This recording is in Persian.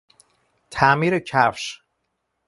تعمیر کفش